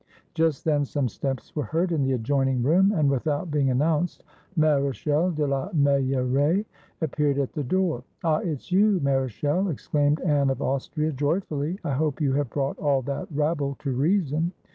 Just then some steps were heard in the adjoining room, and without being announced Marechal de la Meilleraie appeared at the door. "Ah, it's you, Marechal!" exclaimed Anne of Austria 255 FRANCE joyfully. "I hope you have brought all that rabble to reason."